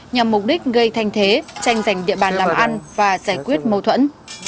nhằm mục đích gây thanh thế tranh giành địa bàn làm ăn và giải quyết mâu thuẫn